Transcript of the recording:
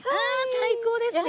最高ですねそれ。